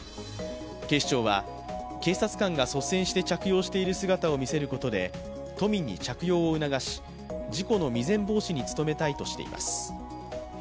警視庁は、警察官が率先して着用している姿を見せることで都民に着用を促し、事故の未然防止に努めたいとしています。